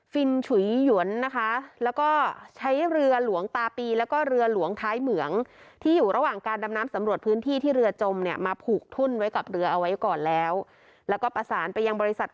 ฟินฉุยหยุนนะคะแล้วก็ใช้เรือหลวงตาปีแล้วก็เรือหลวงท้ายเหมือง